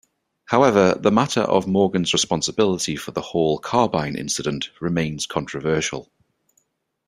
However, the matter of Morgan's responsibility for the Hall Carbine Incident remains controversial.